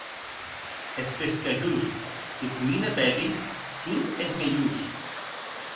Es pescajons que codine Pepi son es mielhors.